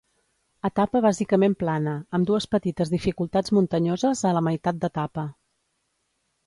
Etapa bàsicament plana, amb dues petites dificultats muntanyoses a la meitat d'etapa.